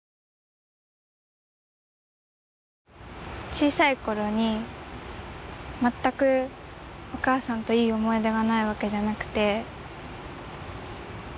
小さいころに全くお母さんといい思い出がないわけじゃなくて。